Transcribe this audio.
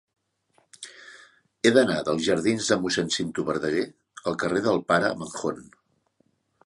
He d'anar dels jardins de Mossèn Cinto Verdaguer al carrer del Pare Manjón.